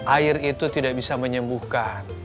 air itu tidak bisa menyembuhkan